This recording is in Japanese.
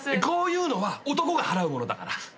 こういうのは男が払うものだから。